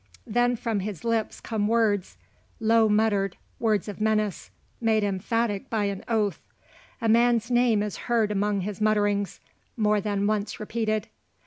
Then from his lips come words, low muttered words of menace, made emphatic by an oath. A man's name is heard among his mutterings, more than once repeated.